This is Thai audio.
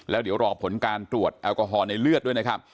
แล้วเดี๋ยวรอผลการตรวจแอลกอฮอล์ในเลือดด้วยนะครับ